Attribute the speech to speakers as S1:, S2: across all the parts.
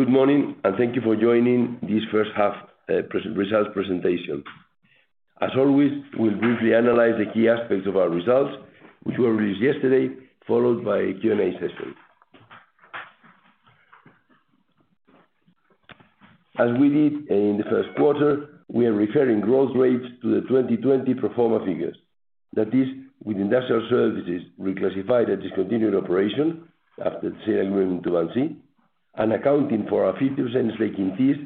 S1: Good morning, and thank you for joining this first half pre-results presentation. As always, we'll briefly analyze the key aspects of our results, which were released yesterday, followed by a Q&A session. As we did in the first quarter, we are referring growth rates to the 2020 pro forma figures. That is, with Industrial Services reclassified as discontinued operation after the sale agreement to VINCI, and accounting for our 50% stake in this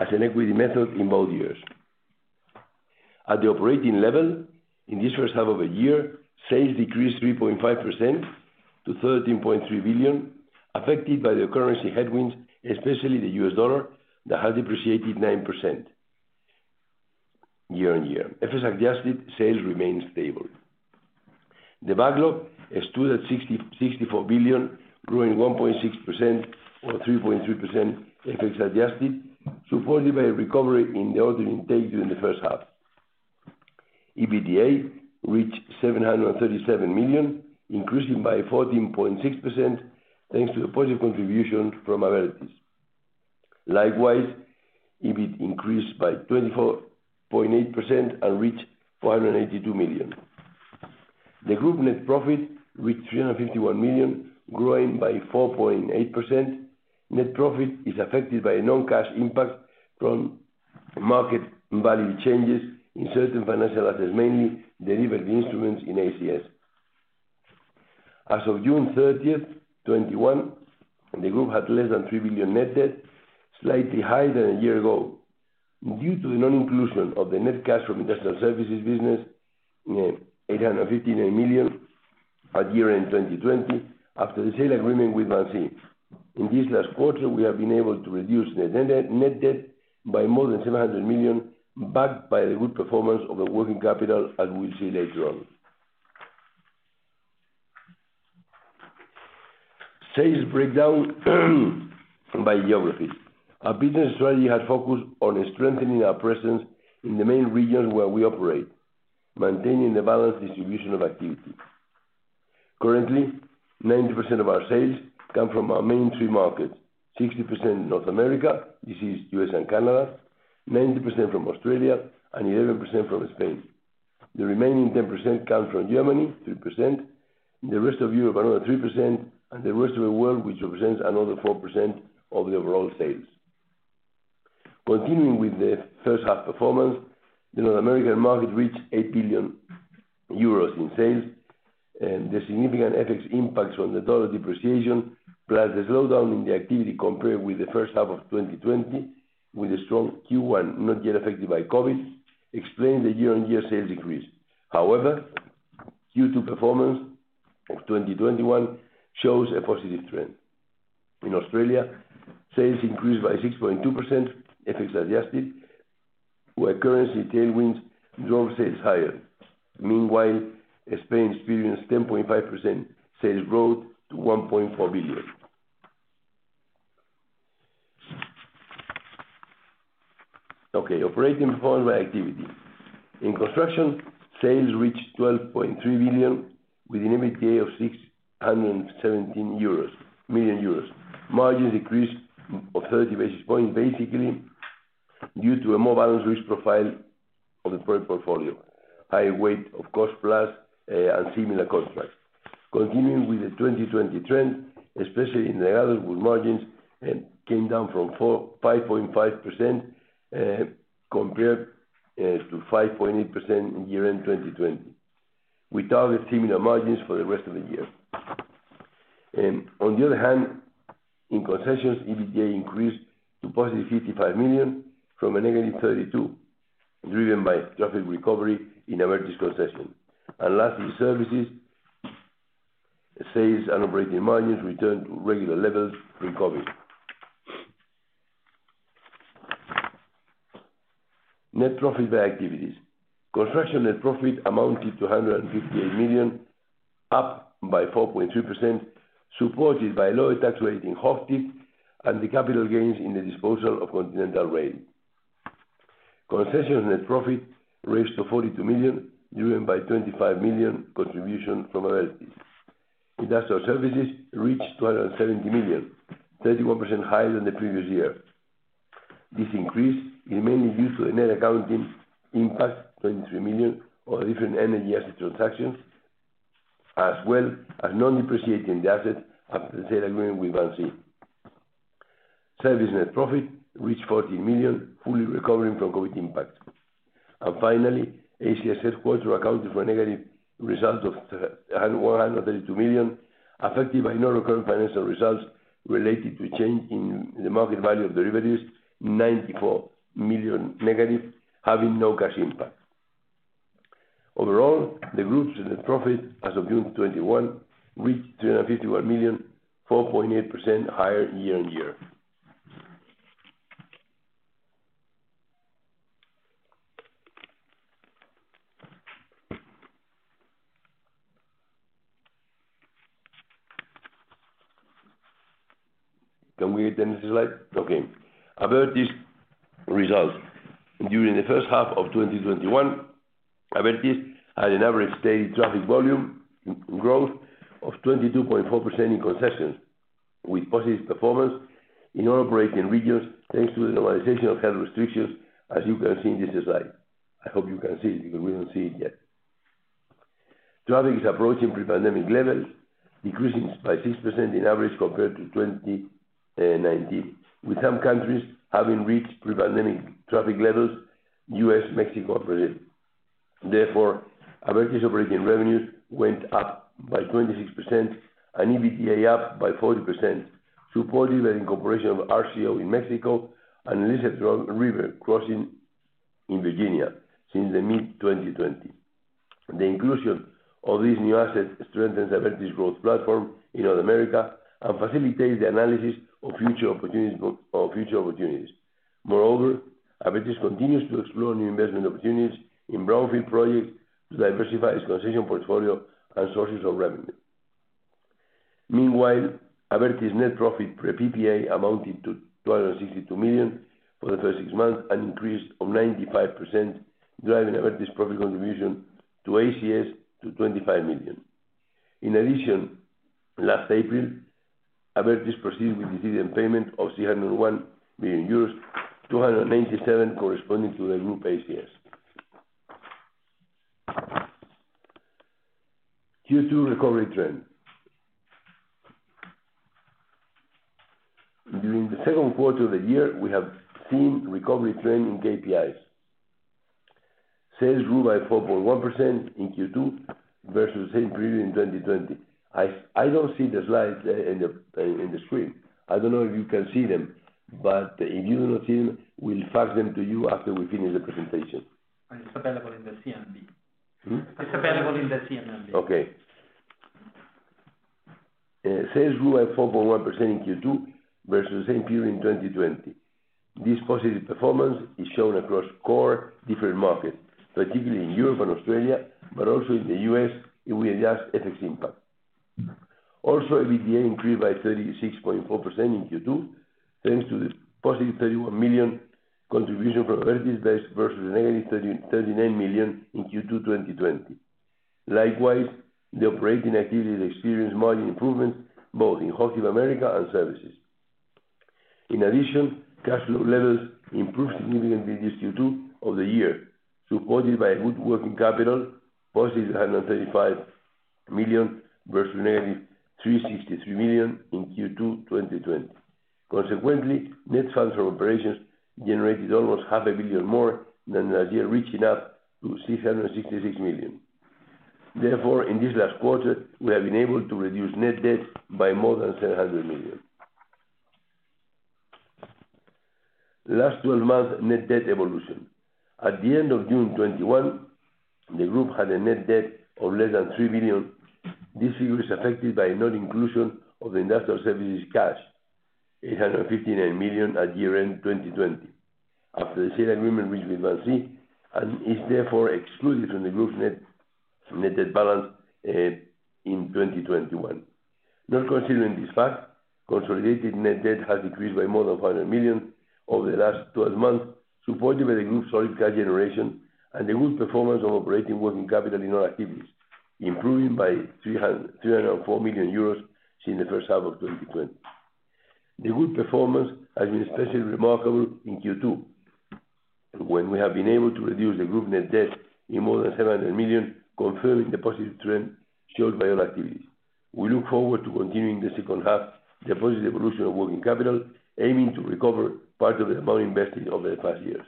S1: as an equity method in both years. At the operating level, in this first half of the year, sales decreased 3.5% to 13.3 billion, affected by the currency headwinds, especially the U.S. dollar, that has appreciated 9% year-on-year. FX adjusted sales remain stable. The backlog stood at 64 billion, growing 1.6% or 3.3% FX adjusted, supported by a recovery in the order intake during the first half. EBITDA reached 737 million, increasing by 14.6%, thanks to the positive contribution from Abertis. Likewise, EBIT increased by 24.8% and reached 482 million. The group net profit reached 351 million, growing by 4.8%. Net profit is affected by a non-cash impact from market value changes in certain financial assets, mainly derivative instruments in ACS. As of June 30, 2021, the group had less than 3 billion net debt, slightly higher than a year ago. Due to the non-inclusion of the net cash from Industrial Services business, 859 million at year-end 2020 after the sale agreement with VINCI. In this last quarter, we have been able to reduce the net debt by more than 700 million, backed by the good performance of the working capital, as we'll see later on. Sales breakdown by geography. Our business strategy has focused on strengthening our presence in the main regions where we operate, maintaining the balanced distribution of activity. Currently, 90% of our sales come from our main three markets, 60% North America, this is U.S. and Canada, 19% from Australia and 11% from Spain. The remaining 10% come from Germany, 3%, the rest of Europe, another 3%, and the rest of the world, which represents another 4% of the overall sales. Continuing with the first half performance, the North American market reached 8 billion euros in sales. The significant FX impacts from the dollar depreciation, plus the slowdown in the activity compared with the first half of 2020 with a strong Q1, not yet affected by COVID, explain the year-on-year sales decrease. However, Q2 performance of 2021 shows a positive trend. In Australia, sales increased by 6.2% FX adjusted, where currency tailwinds drove sales higher. Meanwhile, Spain experienced 10.5% sales growth to EUR 1.4 billion. Operating performance by activity. In construction, sales reached 12.3 billion with an EBITDA of 617 million euros. Margins decreased by 30 basis points, basically due to a more balanced risk profile of the project portfolio, higher weight of cost-plus and similar contracts. Continuing with the 2020 trend, especially in the EBITDA margins, came down from 4.5% compared to 5.8% in year-end 2020. We target similar margins for the rest of the year. On the other hand, in concessions, EBITDA increased to 55 million from -32 million, driven by traffic recovery in Abertis concessions. Lastly, services, sales and operating margins returned to regular levels from COVID. Net profit by activities. Construction net profit amounted to 158 million, up by 4.3%, supported by lower tax rate in Hochtief and the capital gains in the disposal of Continental Rail. Concession net profit rose to 42 million, driven by 25 million contribution from Abertis. Industrial services reached 270 million, 31% higher than the previous year. This increase is mainly due to a net accounting impact, 23 million, of different energy asset transactions, as well as non-depreciating the asset after the sale agreement with VINCI. Services net profit reached 14 million, fully recovering from COVID impact. Finally, ACS headquarters accounted for a negative result of 132 million, affected by non-recurring financial results related to change in the market value of derivatives, -94 million , having no cash impact. Overall, the group's net profit as of June 2021 reached 351 million, 4.8% higher year-on-year. Can we hit the next slide? Okay. Abertis results. During the first half of 2021, Abertis had an average daily traffic volume growth of 22.4% in concessions, with positive performance in all operating regions, thanks to the normalization of health restrictions, as you can see in this slide. I hope you can see it, because we don't see it yet. Traffic is approaching pre-pandemic levels, increasing by 6% on average compared to 2019, with some countries having reached pre-pandemic traffic levels, U.S., Mexico already. Therefore, Abertis operating revenues went up by 26% and EBITDA up by 40%, supported by the incorporation of RCO in Mexico and Elizabeth River Crossings in Virginia since the mid-2020. The inclusion of these new assets strengthens Abertis growth platform in North America and facilitates the analysis of future opportunities. Moreover, Abertis continues to explore new investment opportunities in brownfield projects to diversify its concession portfolio and sources of revenue. Meanwhile, Abertis net profit pre PPA amounted to 262 million for the first six months, an increase of 95%, driving Abertis profit contribution to ACS to 25 million. In addition, last April, Abertis proceeded with the dividend payment of 601 million euros, 297 corresponding to the group ACS. Q2 recovery trend. During the second quarter of the year, we have seen recovery trend in KPIs. Sales grew by 4.1% in Q2 versus the same period in 2020. I don't see the slides in the screen. I don't know if you can see them, but if you don't see them, we'll fax them to you after we finish the presentation.
S2: It's available in the CNMV.
S1: Hmm?
S2: It's available in the CNMV.
S1: Okay. Sales grew at 4.1% in Q2 versus the same period in 2020. This positive performance is shown across core different markets, particularly in Europe and Australia, but also in the U.S., if we adjust FX impact. EBITDA increased by 36.4% in Q2, thanks to the positive 31 million contribution from Abertis versus negative 39 million in Q2 2020. Likewise, the operating activities experienced margin improvements both in North America and services. In addition, cash flow levels improved significantly in Q2 of the year, supported by good working capital, +135 million versus -363 million in Q2 2020. Consequently, net funds from operations generated almost half a billion EUR more than last year, reaching up to 666 million. Therefore, in this last quarter, we have been able to reduce net debt by more than 700 million. Last twelve-month net debt evolution. At the end of June 2021, the group had a net debt of less than 3 billion. This figure is affected by non-inclusion of Industrial Services cash, 859 million at year-end 2020. After the sale agreement reached with VINCI and is therefore excluded from the group's net debt balance in 2021. Not considering this fact, consolidated net debt has decreased by more than 500 million over the last twelve months, supported by the group's solid cash generation and the good performance of operating working capital in all activities, improving by 304 million euros since the first half of 2020. The good performance has been especially remarkable in Q2, when we have been able to reduce the group net debt by more than 700 million, confirming the positive trend shown by all activities. We look forward to continuing the second half the positive evolution of working capital, aiming to recover part of the amount invested over the past years.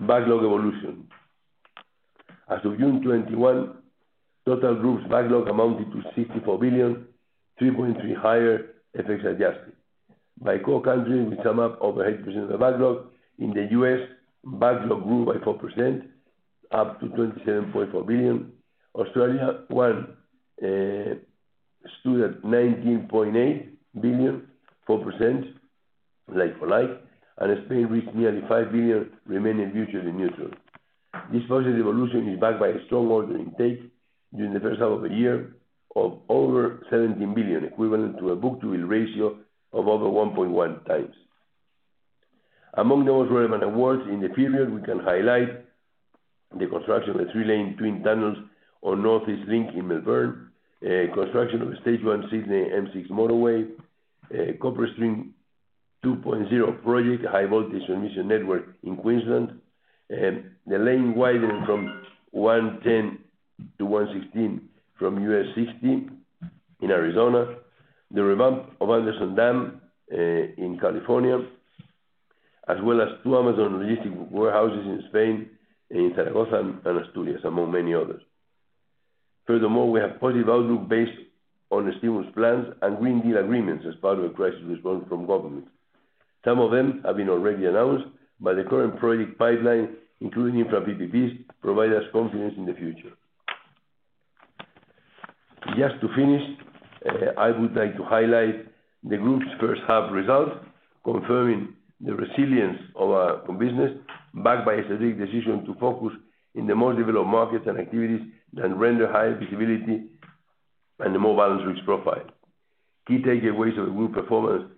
S1: Backlog evolution. As of June 2021, total group's backlog amounted to 64 billion, 3.3% higher FX adjusted. By core countries, we sum up over 80% of the backlog. In the U.S., backlog grew by 4%, up to 27.4 billion. Australia, which stood at 19.8 billion, 4% like for like. Spain reached nearly 5 billion, remaining neutral. This positive evolution is backed by a strong order intake during the first half of the year of over 17 billion, equivalent to a book-to-bill ratio of over 1.1x. Among the most relevant awards in the period, we can highlight the construction of the three-lane twin tunnels on Northeast Link in Melbourne, construction of the stage one Sydney M6 motorway, CopperString 2.0 project, high voltage transmission network in Queensland, the lane widening from 110-116 from U.S. 60 in Arizona, the revamp of Anderson Dam in California, as well as two Amazon logistics warehouses in Spain, in Zaragoza and Asturias, among many others. Furthermore, we have positive outlook based on the stimulus plans and Green Deal agreements as part of a crisis response from governments. Some of them have been already announced, but the current project pipeline, including Infra PPPs, provide us confidence in the future. Just to finish, I would like to highlight the group's first half results, confirming the resilience of our business, backed by a strategic decision to focus in the most developed markets and activities that render higher visibility. The more balanced risk profile. Key takeaways of the group performance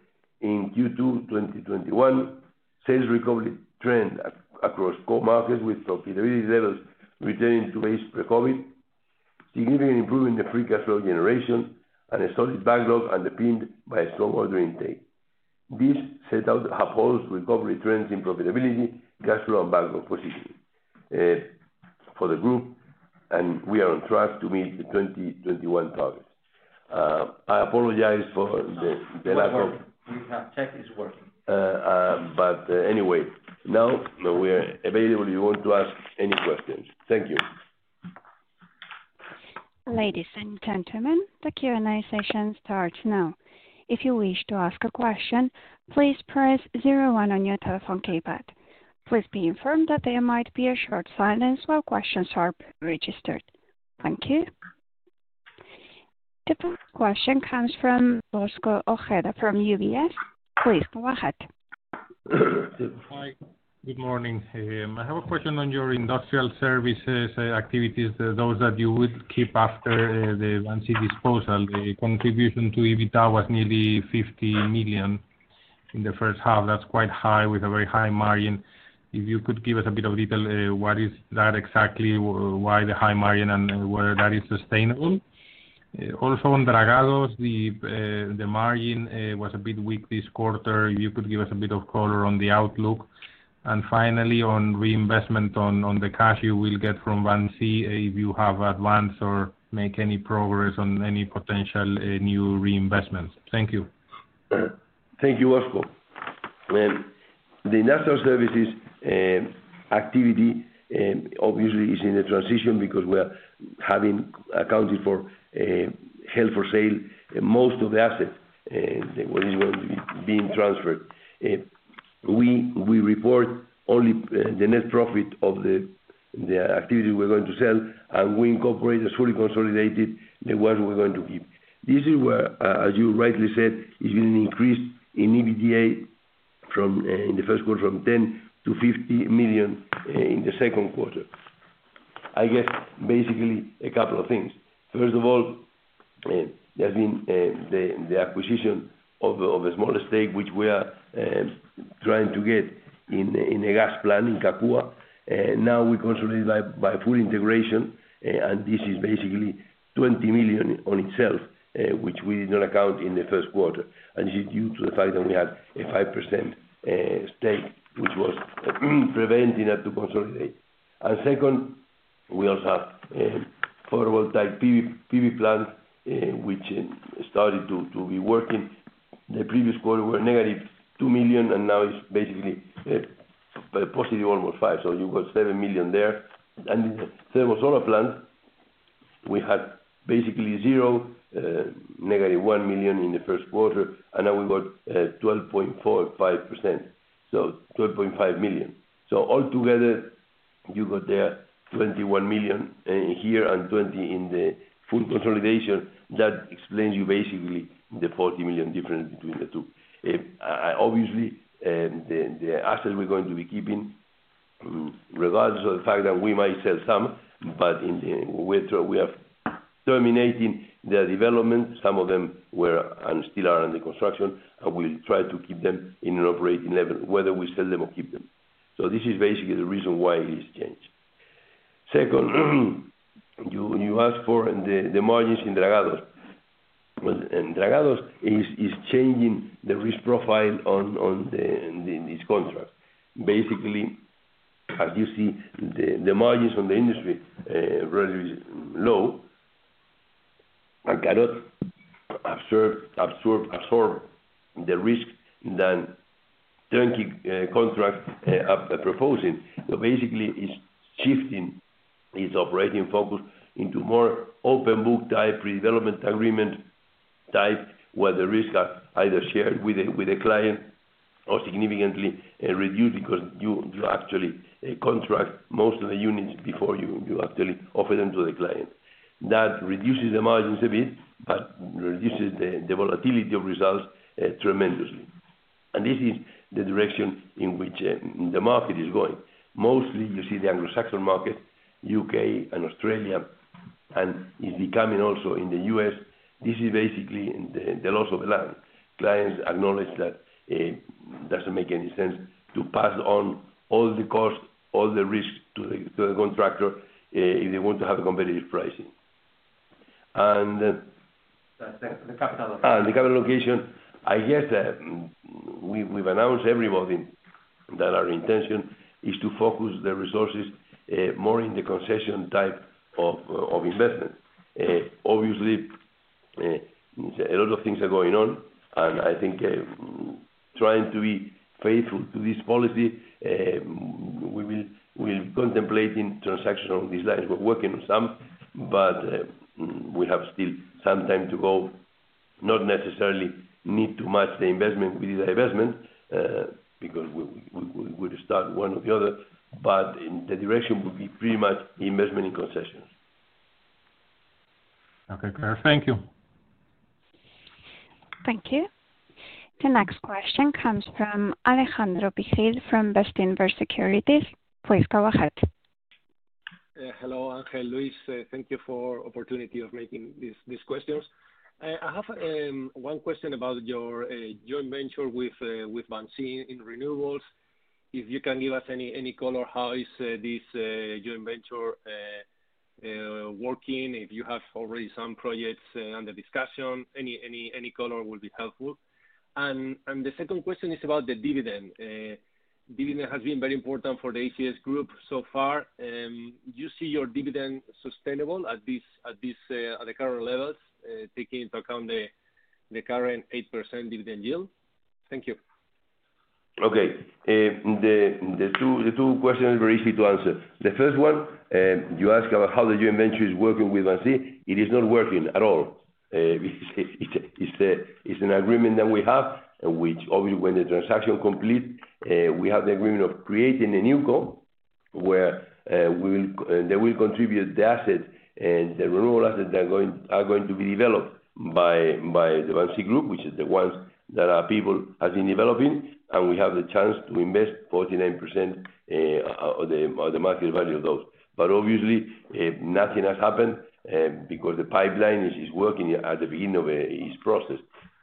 S1: in Q2 2021. Sales recovery trend across core markets with profitability levels returning to pre-COVID. Significantly improving the free cash flow generation and a solid backlog underpinned by strong order intake. This setup upholds recovery trends in profitability, cash flow, and backlog positioning, for the group, and we are on track to meet the 2021 targets. I apologize for the lack of-
S2: Don't worry. We have checked it's working.
S1: Anyway, now that we're available, you want to ask any questions. Thank you.
S3: Ladies and gentlemen, the Q&A session starts now. If you wish to ask a question, please press zero-one on your telephone keypad. Please be informed that there might be a short silence while questions are registered. Thank you. The first question comes from Bosco Ojeda from UBS. Please go ahead.
S4: Hi. Good morning. I have a question on your Industrial Services activities, those that you would keep after the VINCI disposal. The contribution to EBITDA was nearly 50 million in the first half. That's quite high with a very high margin. If you could give us a bit of detail, what is that exactly, why the high margin, and whether that is sustainable. Also, on Dragados, the margin was a bit weak this quarter. You could give us a bit of color on the outlook. Finally, on reinvestment on the cash you will get from VINCI, if you have advanced or make any progress on any potential new reinvestments. Thank you.
S1: Thank you, Bosco. Well, the Industrial Services activity obviously is in a transition because we're having accounted for held for sale most of the assets that was being transferred. We report only the net profit of the activity we're going to sell, and we incorporate and fully consolidated the ones we're going to keep. This is where, as you rightly said, is an increase in EBITDA from in the first quarter from 10 million-50 million in the second quarter. I guess, basically a couple of things. First of all, there's been the acquisition of a smaller stake, which we are trying to get in a gas plant in Cagua. Now we consolidate by full integration, and this is basically 20 million on itself, which we did not account in the first quarter. This is due to the fact that we had a 5% stake, which was preventing us to consolidate. Second, we also have photovoltaic PV plant, which started to be working. The previous quarter were -2 million, and now it's basically positive almost 5 million. You've got 7 million there. In the Thermosolar Plant, we had basically zero, -1 million in the first quarter, and now we've got 12.45%, so 12.5 million. Altogether, you got there 21 million here and 20 million in the full consolidation. That explains you basically the 40 million difference between the two. Obviously, the assets we're going to be keeping, regardless of the fact that we might sell some. We are terminating their development. Some of them were and still are under construction, and we'll try to keep them in an operating level, whether we sell them or keep them. This is basically the reason why it is changed. Second, you asked for the margins in Dragados. Well, in Dragados is changing the risk profile in this contract. Basically, as you see, the margins in the industry really is low, and cannot absorb the risk that turnkey contract proposing. Basically, it's shifting its operating focus into more open book type, pre-development agreement type, where the risks are either shared with the client or significantly reduced because you actually contract most of the units before you actually offer them to the client. That reduces the margins a bit, but reduces the volatility of results tremendously. This is the direction in which the market is going. Mostly, you see the Anglo-Saxon market, U.K. and Australia, and is becoming also in the US. This is basically the laws of the land. Clients acknowledge that it doesn't make any sense to pass on all the costs, all the risks to the contractor if they want to have competitive pricing.
S2: The capital location.
S1: The capital allocation, I guess, we've announced to everybody that our intention is to focus the resources more in the concession type of investment. Obviously, a lot of things are going on, and I think, trying to be faithful to this policy, we're contemplating transactions on these lines. We're working on some, but we have still some time to go. Not necessarily need to match the investment with the divestment, because we'll restart one or the other, but in the direction will be pretty much investment in concessions.
S4: Okay, clear. Thank you.
S3: Thank you. The next question comes from Alejandro Vigil from Bestinver Securities. Please go ahead.
S5: Hello, Ángel Luis. Thank you for opportunity of making these questions. I have one question about your joint venture with VINCI in renewables. If you can give us any color, how is this joint venture working? If you have already some projects under discussion. Any color will be helpful. The second question is about the dividend. Dividend has been very important for the ACS group so far. You see your dividend sustainable at the current levels, taking into account the current 8% dividend yield. Thank you.
S1: Okay. The two questions very easy to answer. The first one, you ask about how the joint venture is working with VINCI. It is not working at all. It's an agreement that we have in which obviously when the transaction complete, we have the agreement of creating a new co where they will contribute the asset and the renewable assets are going to be developed by the VINCI group, which is the ones that our people has been developing. We have the chance to invest 49% of the market value of those. Obviously, nothing has happened because the pipeline is working at the beginning of its process.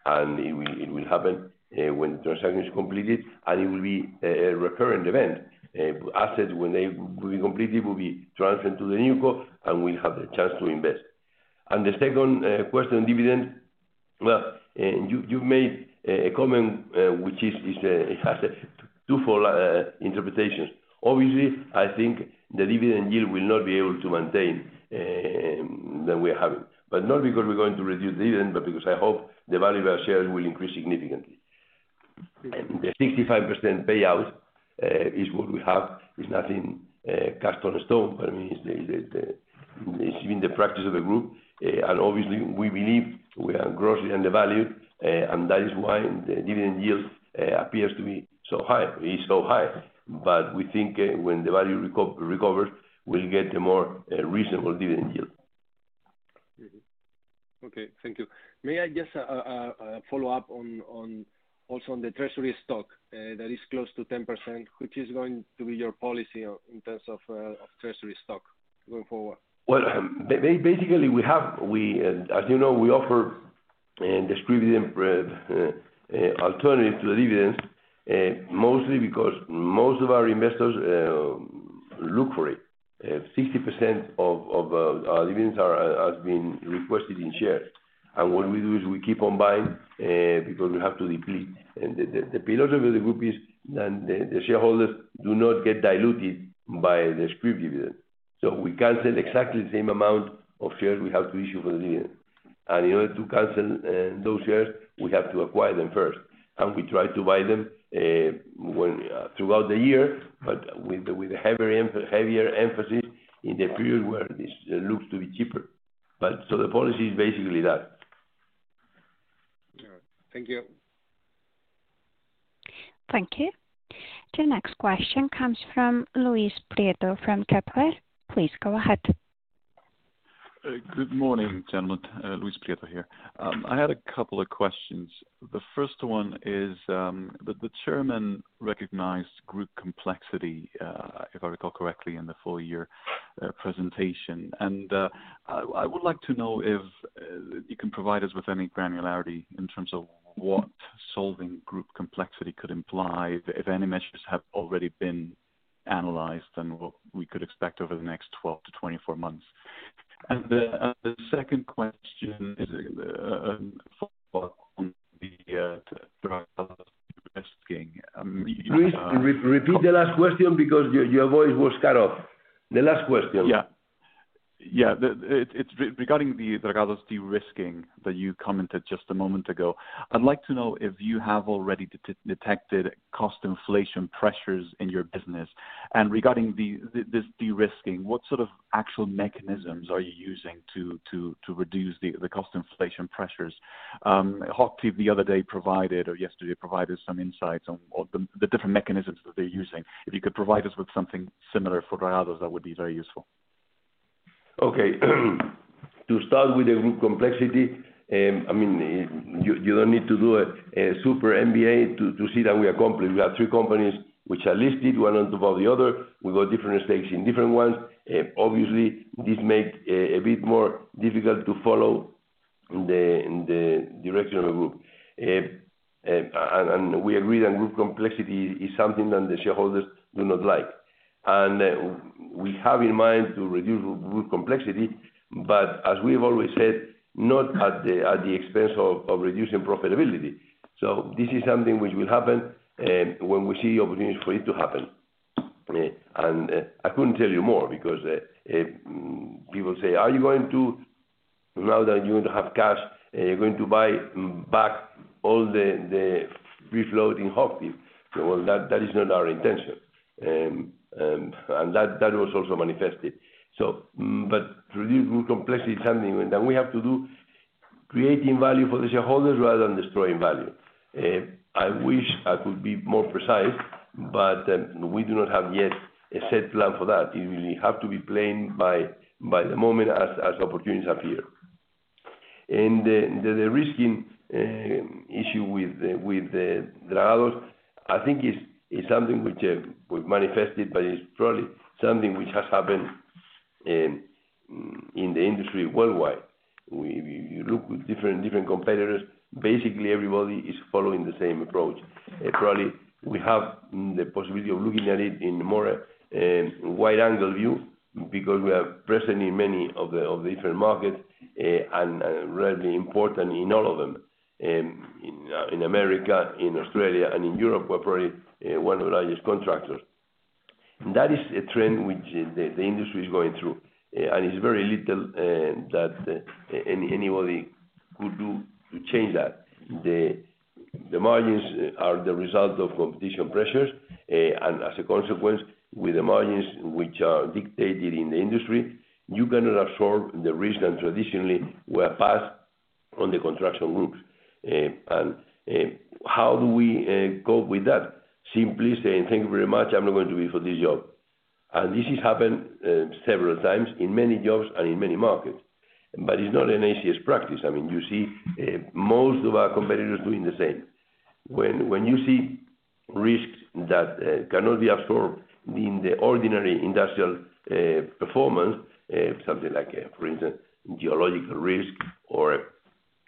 S1: It will happen when the transaction is completed, and it will be a recurring event. Assets when they will be completed will be transferred to the new co, and we'll have the chance to invest. The second question, dividend. Well, you made a comment which is it has a two-fold interpretations. Obviously, I think the dividend yield will not be able to maintain that we have. Not because we're going to reduce dividend, but because I hope the value of our shares will increase significantly. The 65% payout is what we have is nothing cast in stone, but I mean, it's been the practice of the group. Obviously we believe we are grossly undervalued. That is why the dividend yield appears to be so high. It is so high. We think when the value recovers, we'll get a more reasonable dividend yield.
S5: Mm-hmm. Okay. Thank you. May I just follow up on also on the treasury stock that is close to 10%, which is going to be your policy in terms of treasury stock going forward?
S1: Well, basically, as you know, we offer this dividend alternative to the dividends, mostly because most of our investors look for it. 60% of our dividends has been requested in shares. What we do is we keep on buying because we have to deplete. The philosophy of the group is the shareholders do not get diluted by the scrip dividend. We cancel exactly the same amount of shares we have to issue for the dividend. In order to cancel those shares, we have to acquire them first. We try to buy them throughout the year, but with a heavier emphasis in the period where this looks to be cheaper. The policy is basically that.
S5: All right. Thank you.
S3: Thank you. The next question comes from Luis Prieto from Kepler. Please go ahead.
S6: Good morning, gentlemen. Luis Prieto here. I had a couple of questions. The first one is, the chairman recognized group complexity, if I recall correctly, in the full-year presentation. I would like to know if you can provide us with any granularity in terms of what solving group complexity could imply, if any measures have already been analyzed and what we could expect over the next 12-24 months. The second question is, on the de-risking,
S1: Luis, repeat the last question because your voice was cut off. The last question.
S6: Yeah. It's regarding the Dragados de-risking that you commented just a moment ago. I'd like to know if you have already detected cost inflation pressures in your business. Regarding this de-risking, what sort of actual mechanisms are you using to reduce the cost inflation pressures? Hochtief the other day, or yesterday, provided some insights on the different mechanisms that they're using. If you could provide us with something similar for Dragados, that would be very useful.
S1: Okay. To start with the group complexity, I mean, you don't need to do a super MBA to see that we are complex. We have three companies which are listed one on top of the other. We've got different stakes in different ones. Obviously, this makes a bit more difficult to follow the direction of the group. We agree that group complexity is something that the shareholders do not like. We have in mind to reduce group complexity, but as we've always said, not at the expense of reducing profitability. This is something which will happen when we see opportunities for it to happen. I couldn't tell you more because people say, "Are you going to Now that you have cash, are you going to buy back all the remaining Hochtief?" Well, that is not our intention. That was also manifested. But to reduce group complexity is something that we have to do, creating value for the shareholders rather than destroying value. I wish I could be more precise, but we do not have yet a set plan for that. It will have to be planned by the management as opportunities appear. The pricing issue with the Dragados, I think is something which was manifested, but it's probably something which has happened in the industry worldwide. We look at different competitors. Basically, everybody is following the same approach. Probably we have the possibility of looking at it in more wide angle view because we are present in many of the different markets, and really important in all of them. In America, in Australia, and in Europe, we're probably one of the largest contractors. That is a trend which the industry is going through. It's very little that anybody could do to change that. The margins are the result of competitive pressures. As a consequence, with the margins which are dictated in the industry, you cannot absorb the risk and traditionally were passed onto the construction groups. How do we cope with that? Simply saying, "Thank you very much. I'm not going to be for this job." This has happened several times in many jobs and in many markets, but it's not an ACS practice. I mean, you see, most of our competitors doing the same. When you see risks that cannot be absorbed in the ordinary industrial performance, something like, for instance, geological risk or,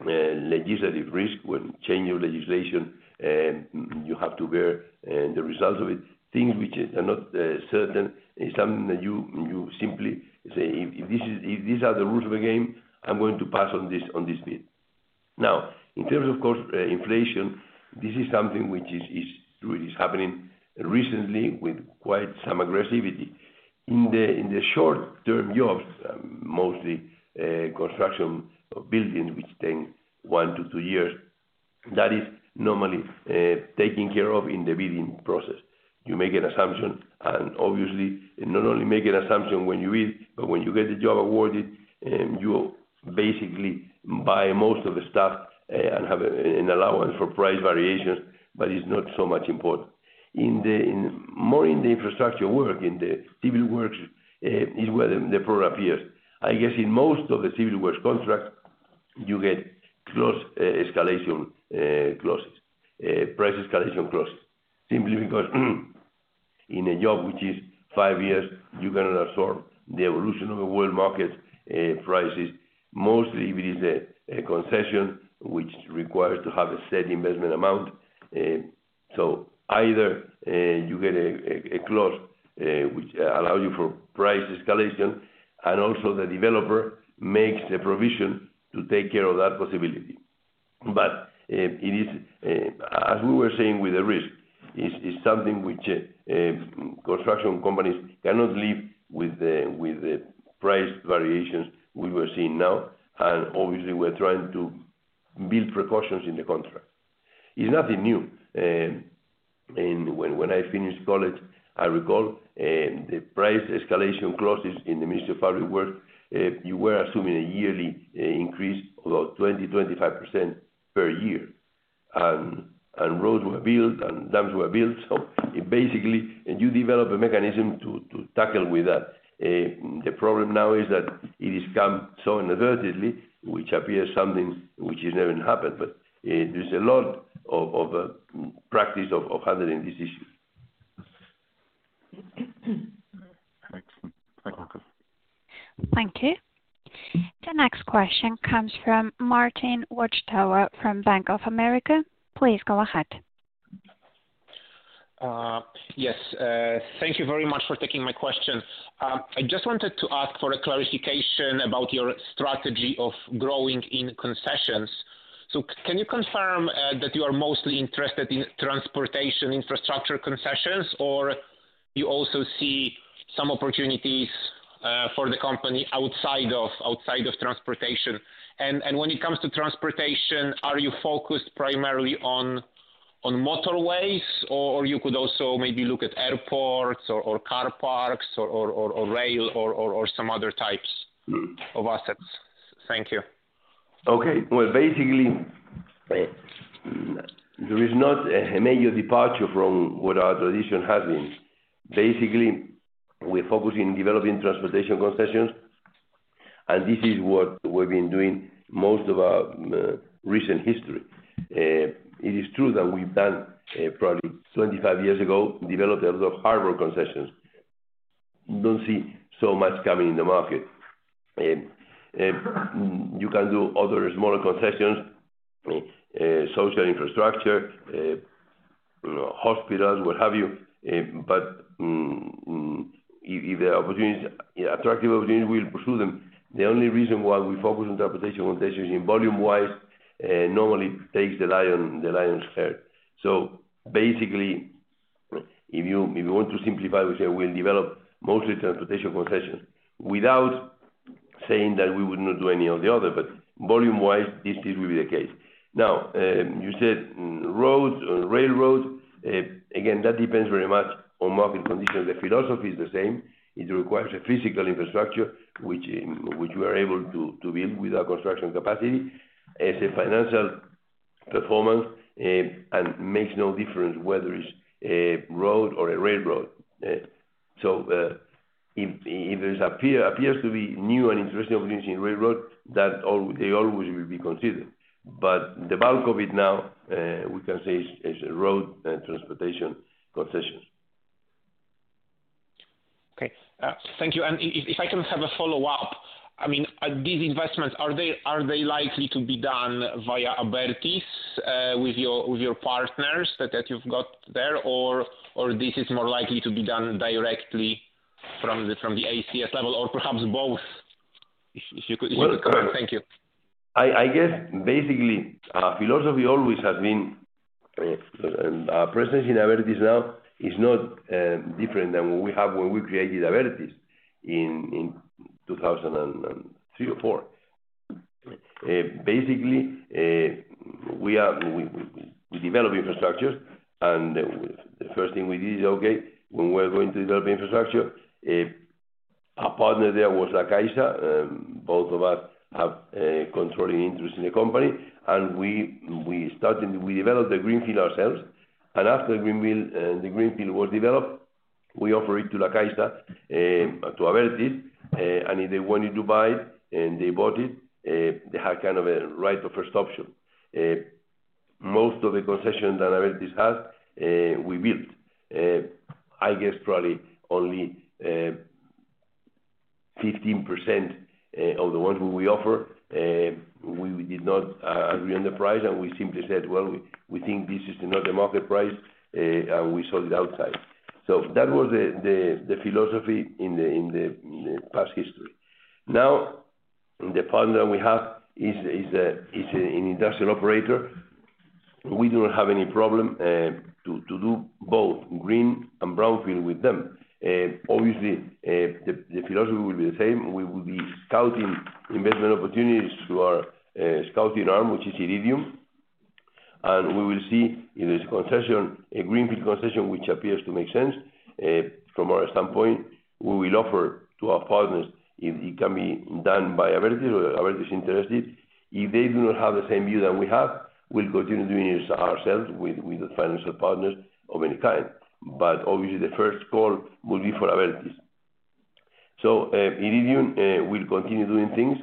S1: legislative risk, when change your legislation and you have to bear the results of it, things which are not certain, is something that you simply say, "If these are the rules of the game, I'm going to pass on this bid." Now, in terms, of course, inflation, this is something which really is happening recently with quite some aggressivity. In the short-term jobs, mostly construction buildings which take one to two years, that is normally taken care of in the bidding process. You make an assumption, and obviously not only make an assumption when you bid, but when you get the job awarded, you basically buy most of the stuff, and have an allowance for price variations, but it's not so much important. More in the infrastructure work, in the civil works, is where the problem appears. I guess in most of the civil works contracts, you get cost escalation clauses. Price escalation clauses. Simply because in a job which is 5 years, you cannot absorb the evolution of the world market prices. Mostly it is a concession which requires to have a set investment amount. Either you get a clause which allows you for price escalation and also the developer makes a provision to take care of that possibility. It is, as we were saying with the risk, something which construction companies cannot live with the price variations we were seeing now, and obviously we're trying to build precautions in the contract. It's nothing new. When I finished college, I recall the price escalation clauses in the Ministry of Public Works, you were assuming a yearly increase about 25% per year. Roads were built and dams were built. Basically, you develop a mechanism to tackle with that. The problem now is that it has come so inadvertently, which appears something which has never happened. There's a lot of practice of handling this issue.
S6: Excellent. Thank you.
S3: Thank you. The next question comes from Martin Watchtower from Bank of America. Please go ahead.
S7: Yes. Thank you very much for taking my question. I just wanted to ask for a clarification about your strategy of growing in concessions. Can you confirm that you are mostly interested in transportation infrastructure concessions, or you also see some opportunities for the company outside of transportation? When it comes to transportation, are you focused primarily on motorways or you could also maybe look at airports or car parks or rail or some other types of assets? Thank you.
S1: Okay. Well, basically, there is not a major departure from what our tradition has been. Basically, we're focusing developing transportation concessions, and this is what we've been doing most of our recent history. It is true that we've done, probably 25 years ago, developed a lot of hardware concessions. Don't see so much coming in the market. You can do other smaller concessions, social infrastructure, hospitals, what have you. But if there are opportunities, attractive opportunities, we'll pursue them. The only reason why we focus on transportation concessions in volume-wise, normally takes the lion's share. So basically, if you want to simplify, we say we'll develop mostly transportation concessions without saying that we would not do any of the other, but volume-wise, this will be the case. Now, you said roads, railroads. Again, that depends very much on market conditions. The philosophy is the same. It requires a physical infrastructure, which we are able to build with our construction capacity as a financial performance, and makes no difference whether it's a road or a railroad. If there appears to be new and interesting opportunities in railroad, that they always will be considered. The bulk of it now, we can say is road transportation concessions.
S7: Okay. Thank you. If I can have a follow-up. I mean, these investments, are they likely to be done via Abertis, with your partners that you've got there, or this is more likely to be done directly from the ACS level or perhaps both? If you could
S1: Well-
S7: Thank you.
S1: I guess basically philosophy always has been presence in Abertis now is not different than what we have when we created Abertis in 2003 or 2004. Basically, we develop infrastructures and the first thing we did when we're going to develop infrastructure our partner there was la Caixa. Both of us have a controlling interest in the company. We developed the greenfield ourselves. After the greenfield was developed, we offer it to la Caixa to Abertis. They wanted to buy it, and they bought it. They had kind of a right of first option. Most of the concessions that Abertis has, we built. I guess probably only 15% of the ones we offer, we did not agree on the price, and we simply said, "Well, we think this is not the market price," and we sold it outside. That was the philosophy in the past history. Now, the partner we have is an industrial operator. We do not have any problem to do both green and brownfield with them. Obviously, the philosophy will be the same. We will be scouting investment opportunities through our scouting arm, which is Iridium. We will see if there's a concession, a greenfield concession, which appears to make sense from our standpoint. We will offer to our partners if it can be done by Abertis or Abertis is interested. If they do not have the same view that we have, we'll continue doing this ourselves with the financial partners of any kind. Obviously the first call will be for Abertis. Iridium will continue doing things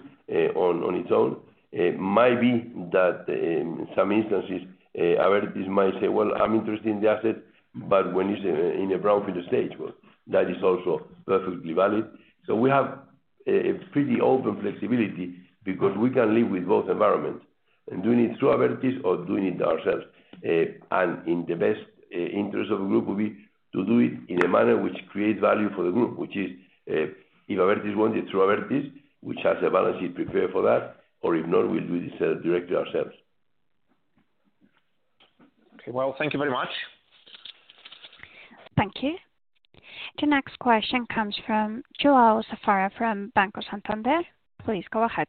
S1: on its own. It might be that in some instances, Abertis might say, "Well, I'm interested in the asset, but when it's in a brownfield stage," well, that is also perfectly valid. We have a pretty open flexibility because we can live with both environments, and doing it through Abertis or doing it ourselves. In the best interest of the group will be to do it in a manner which creates value for the group, which is, if Abertis want it through Abertis, which has a balance sheet prepared for that, or if not, we'll do this, directly ourselves.
S7: Okay. Well, thank you very much.
S3: Thank you. The next question comes from João Safara from Banco Santander. Please go ahead.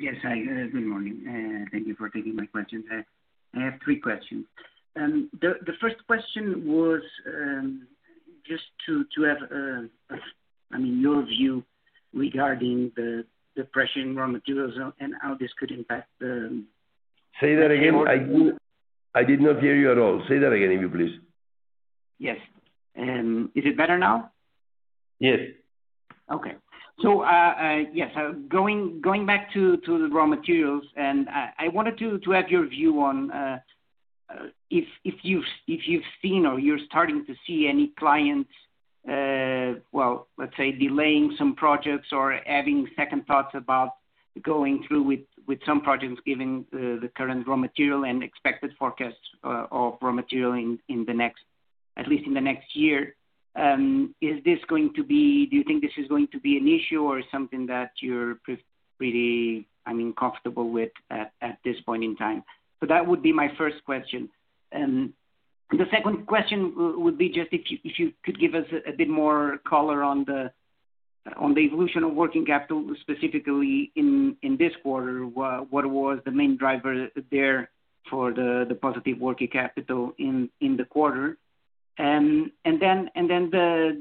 S8: Yes. Hi. Good morning. Thank you for taking my questions. I have three questions. The first question was just to have, I mean, your view regarding the depression raw materials and how this could impact the-
S1: Say that again. I did not hear you at all. Say that again, if you please.
S8: Yes. Is it better now?
S1: Yes.
S8: Yes, going back to the raw materials, and I wanted to have your view on if you've seen or you're starting to see any clients, well, let's say, delaying some projects or having second thoughts about going through with some projects, given the current raw material and expected forecasts of raw material at least in the next year. Do you think this is going to be an issue or something that you're pretty, I mean, comfortable with at this point in time? That would be my first question. The second question would be just if you could give us a bit more color on the evolution of working capital, specifically in this quarter. What was the main driver there for the positive working capital in the quarter? Then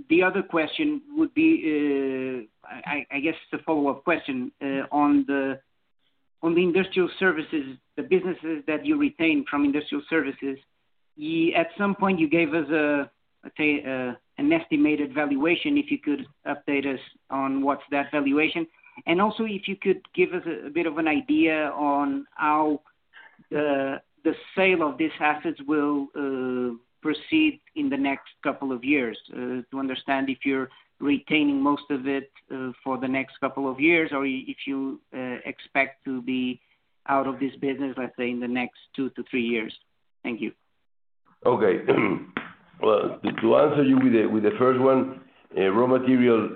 S8: the other question would be, I guess the follow-up question, on the Industrial Services, the businesses that you retained from Industrial Services. At some point, you gave us, let's say, an estimated valuation, if you could update us on what's that valuation. Also if you could give us a bit of an idea on how the sale of these assets will proceed in the next couple of years. To understand if you're retaining most of it, for the next couple of years or if you expect to be out of this business, let's say, in the next two to three years. Thank you.
S1: Okay. Well, to answer you with the first one, raw material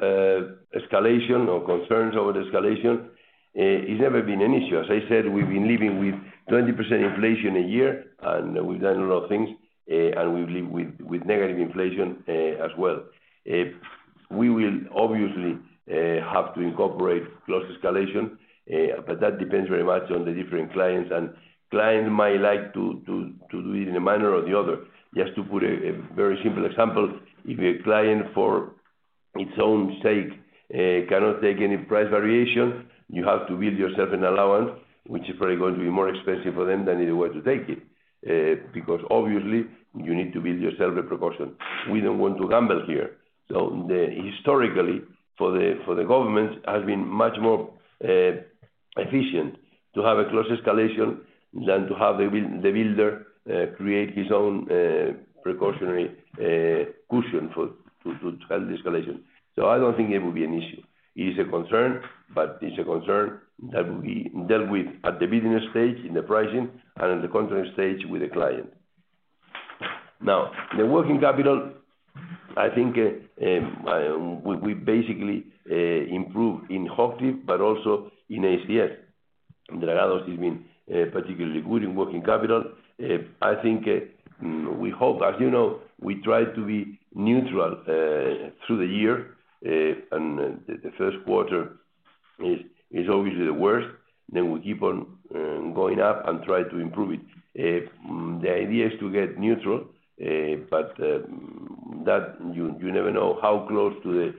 S1: escalation or concerns over the escalation, it's never been an issue. As I said, we've been living with 20% inflation a year, and we've done a lot of things, and we've lived with negative inflation as well. We will obviously have to incorporate cost escalation, but that depends very much on the different clients, and client might like to do it in a manner or the other. Just to put a very simple example, if a client, for its own sake, cannot take any price variation, you have to build yourself an allowance, which is probably going to be more expensive for them than it was to take it, because obviously you need to build yourself a proportion. We don't want to gamble here. Historically, for the government has been much more efficient to have a cost escalation than to have the builder create his own precautionary cushion to have the escalation. I don't think it will be an issue. It is a concern, but it's a concern that will be dealt with at the beginning stage in the pricing and in the contract stage with the client. Now, the working capital, I think, we basically improved in Hochtief, but also in ACS. Dragados has been particularly good in working capital. I think, as you know, we try to be neutral through the year. The first quarter is obviously the worst. We keep on going up and try to improve it. The idea is to get neutral, but that you never know how close to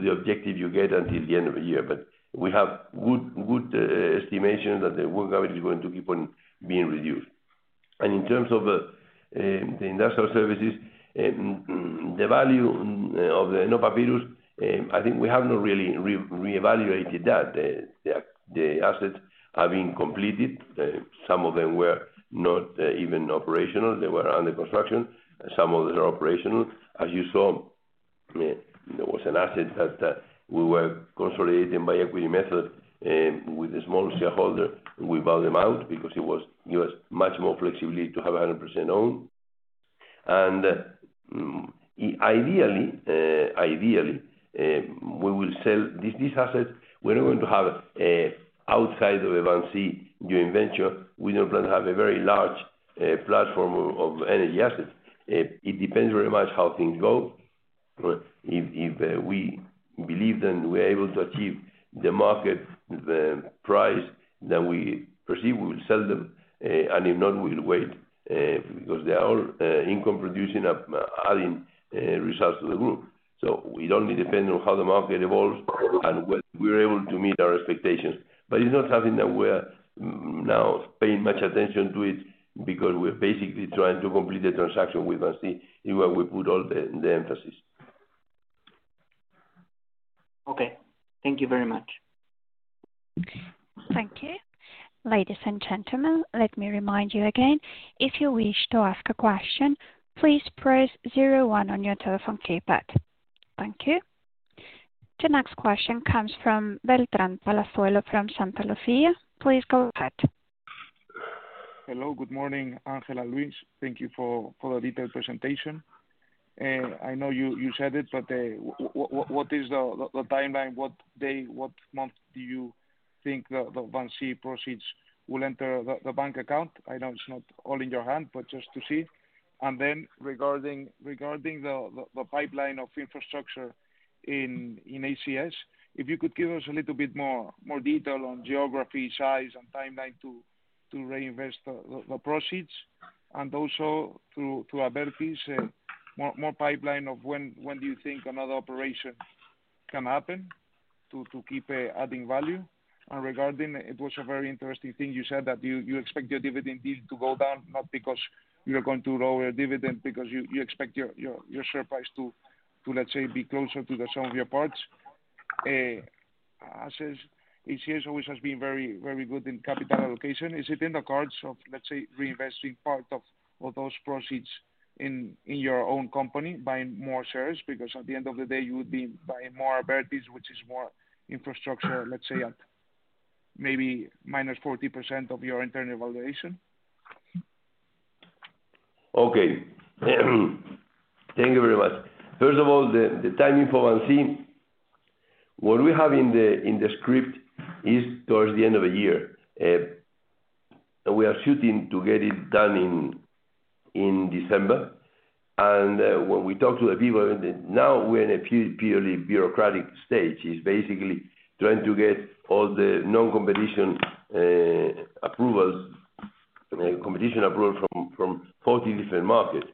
S1: the objective you get until the end of the year. We have good estimation that the work average is going to keep on being reduced. In terms of the Industrial Services, the value of the renewable assets, I think we have not really revalued that. The assets have been completed. Some of them were not even operational. They were under construction. Some of them are operational. As you saw, there was an asset that we were consolidating by equity method with a small shareholder. We bought them out because it gives much more flexibility to have 100% owned. Ideally, we will sell these assets. We're not going to have, outside of a VINCI joint venture, we don't plan to have a very large platform of energy assets. It depends very much how things go. If we believe then we're able to achieve the market, the price that we perceive, we will sell them. If not, we'll wait, because they are income producing and adding results to the group. We only depend on how the market evolves and whether we're able to meet our expectations. It's not something that we're now paying much attention to it because we're basically trying to complete the transaction with VINCI, is where we put all the emphasis.
S8: Okay. Thank you very much.
S3: Thank you. Ladies and gentlemen, let me remind you again. If you wish to ask a question, please press zero one on your telephone keypad. Thank you. The next question comes from Beltrán Palazuelo from Santalucía Asset Management. Please go ahead.
S9: Hello. Good morning, Ángel Luis. Thank you for the detailed presentation. I know you said it, but what is the timeline? What day, what month do you think the VINCI proceeds will enter the bank account? I know it's not all in your hand, but just to see. Regarding the pipeline of infrastructure in ACS, if you could give us a little bit more detail on geography, size, and timeline to reinvest the proceeds. Also to Abertis, more pipeline of when do you think another operation can happen to keep adding value? Regarding, it was a very interesting thing you said that you expect your dividend yield to go down, not because you're going to lower your dividend, because you expect your share price to, let's say, be closer to the sum of your parts. As is, ACS always has been very good in capital allocation. Is it in the cards of, let's say, reinvesting part of those proceeds in your own company, buying more shares? Because at the end of the day, you would be buying more Abertis, which is more infrastructure, let's say at maybe -40% of your internal evaluation.
S1: Okay. Thank you very much. First of all, the timing for VINCI. What we have in the script is towards the end of the year. We are shooting to get it done in December. When we talk to the people, now we're in a purely bureaucratic stage. It's basically trying to get all the competition approvals from 40 different markets.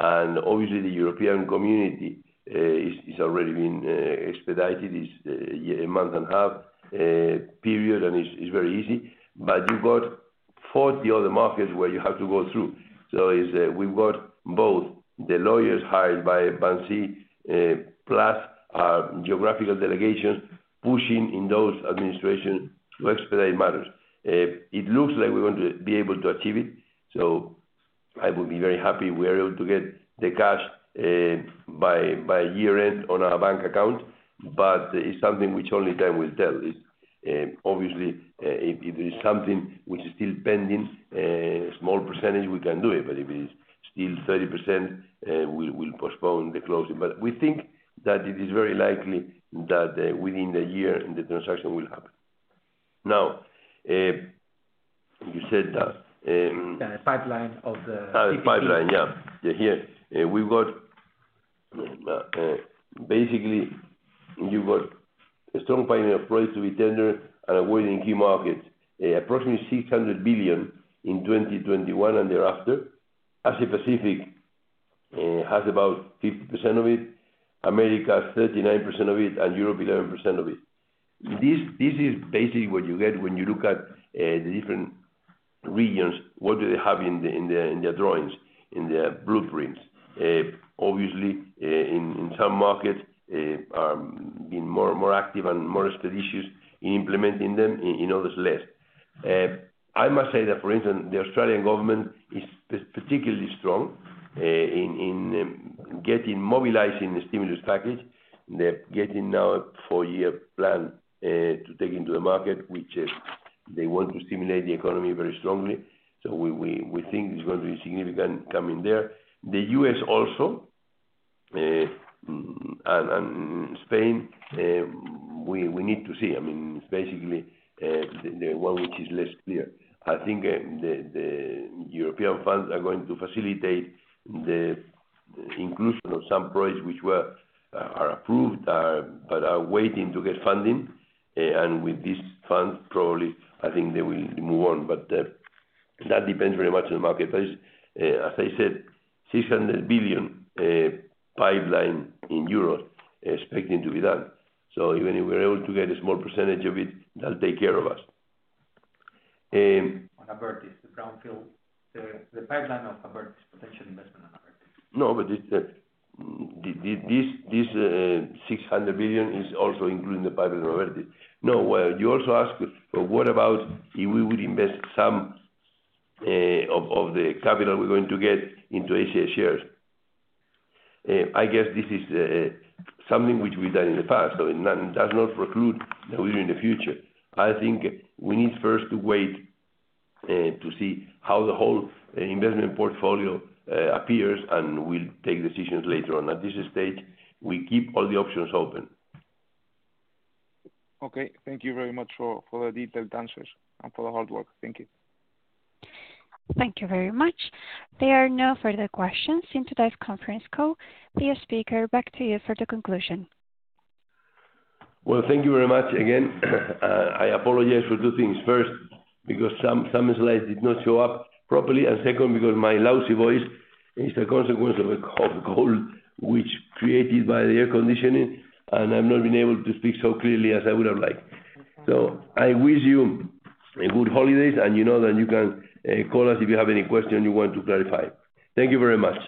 S1: Obviously, the European Commission is already being expedited. It's a month and a half period, and it's very easy. You got 40 other markets where you have to go through. We've got both the lawyers hired by VINCI plus our geographical delegations pushing in those administrations to expedite matters. It looks like we're going to be able to achieve it, so I will be very happy we're able to get the cash by year-end on our bank account. It's something which only time will tell. It's obviously if it is something which is still pending, a small percentage, we can do it, but if it is still 30%, we'll postpone the closing. We think that it is very likely that within the year, the transaction will happen. Now you said that,
S2: The pipeline of the-
S1: Oh, pipeline. Yeah. Here. We've got, basically, you've got a strong pipeline of projects to be tendered and awarded in key markets. Approximately 600 billion in 2021 and thereafter. Asia-Pacific has about 50% of it. America, 39% of it, and Europe, 11% of it. This is basically what you get when you look at the different regions, what do they have in their drawings, in their blueprints. Obviously, in some markets are being more active and more expeditious in implementing them, in others less. I must say that, for instance, the Australian government is particularly strong in getting mobilizing the stimulus package. They're getting now a four-year plan to take into the market, which is they want to stimulate the economy very strongly. We think it's going to be significant coming there. The U.S. also, and Spain, we need to see. I mean, it's basically, the one which is less clear. I think, the European funds are going to facilitate the inclusion of some projects which are approved, but are waiting to get funding. With these funds, probably, I think they will move on. That depends very much on the marketplace. As I said, 600 billion pipeline in Europe expecting to be done. Even if we're able to get a small percentage of it, that'll take care of us.
S2: On Abertis, the brownfield. The pipeline of Abertis, potential investment on Abertis.
S1: No, but it, this 600 billion is also including the pipeline of Abertis. No, well, you also asked, what about if we would invest some of the capital we're going to get into ACS shares? I guess this is something which we've done in the past. It does not preclude that we do in the future. I think we need first to wait to see how the whole investment portfolio appears, and we'll take decisions later on. At this stage, we keep all the options open.
S9: Okay. Thank you very much for the detailed answers and for the hard work. Thank you.
S3: Thank you very much. There are no further questions in today's conference call. Dear speaker, back to you for the conclusion.
S1: Well, thank you very much again. I apologize for two things. First, because some slides did not show up properly. Second, because my lousy voice is a consequence of a cold which was created by the air conditioning, and I've not been able to speak so clearly as I would have liked. I wish you good holidays, and you know that you can call us if you have any question you want to clarify. Thank you very much.